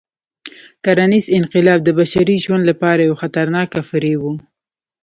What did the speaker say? کرنيز انقلاب د بشري ژوند لپاره یو خطرناک فریب و.